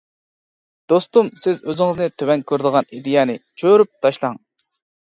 دوستۇم سىز ئۆزىڭىزنى تۆۋەن كۆرىدىغان ئىدىيەنى چۆرۈپ تاشلاڭ.